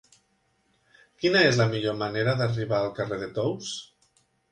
Quina és la millor manera d'arribar al carrer de Tous?